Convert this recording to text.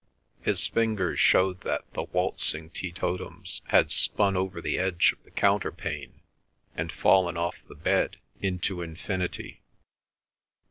His fingers showed that the waltzing teetotums had spun over the edge of the counterpane and fallen off the bed into infinity.